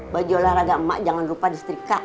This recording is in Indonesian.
baju olahraga emak jangan lupa di setrika